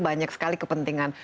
banyak sekali kepentingan